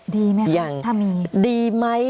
ดีไหมครับถ้ามี